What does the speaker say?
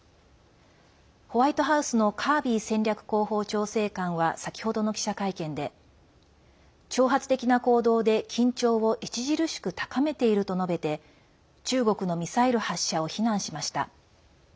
ホワイトハウスのカービー戦略広報調整官は先ほどの記者会見で挑発的な行動で緊張を著しく高めていると述べて中国のミサイル発射を非難しました。